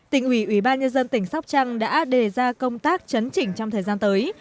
tỉnh ủy ủy ban nhân dân tỉnh sóc trăng đã đề ra công tác chấn chỉnh trong thời gian tới